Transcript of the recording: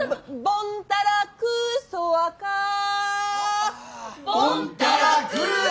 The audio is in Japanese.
ボンタラクーソワカー。